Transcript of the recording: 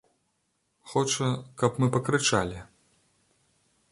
Хоча, каб мы пакрычалі.